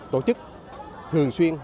tổ chức thường xuyên